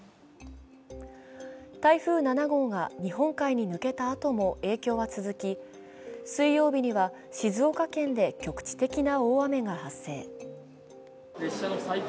台風７号が日本海に抜けたあとも影響は続き、水曜日には静岡県で局地的な大雨が発生。